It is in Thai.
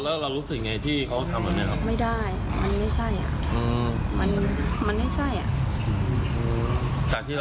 แล้วเรารู้สึกอย่างไรที่เขาทำแบบนี้ครับ